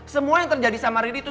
semua yang terjadi sama rid itu